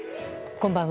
こんばんは。